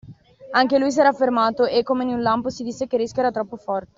Anche lui s'era fermato e, come in un lampo, si disse che il rischio era troppo forte